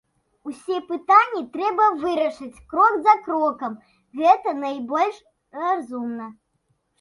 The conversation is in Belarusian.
Усе пытанні трэба вырашаць крок за крокам, гэта найбольш разумна.